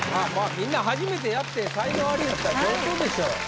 みんな初めてやって才能アリやったら上等でしょう。